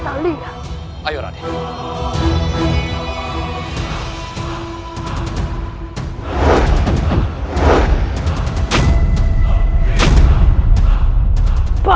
kalau kita nyangkep